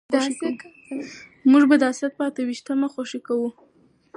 موږ به د اسد په اته ويشتمه خوښي کوو.